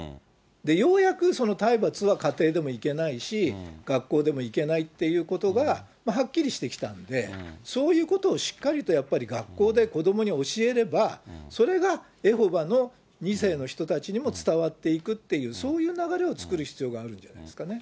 ようやくその体罰は家庭でもいけないし、学校でもいけないっていうことが、はっきりしてきたので、そういうことをしっかりとやっぱり学校で子どもに教えれば、それがエホバの２世の人たちにも伝わっていくっていう、そういう流れを作る必要があるんじゃないですかね。